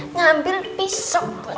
ngambil pisau buat kamu